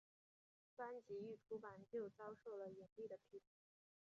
专辑一出版就遭受了严厉的批评。